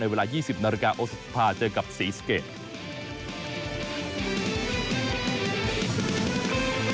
ในเวลา๒๐นรกา๒๕เจอกับสีสเกียร์